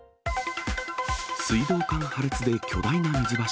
水道管破裂で巨大な水柱。